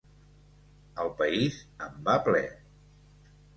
El País en va ple.